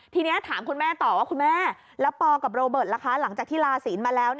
ทีนี้ถามคุณแม่ต่อว่าคุณแม่แล้วปอกับโรเบิร์ตล่ะคะหลังจากที่ลาศีลมาแล้ว